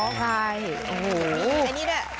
กินจะดีนะ